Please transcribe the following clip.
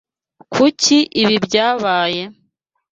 Kuki ibi byabaye?